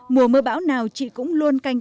mùa mưa bão nào chị cũng luôn canh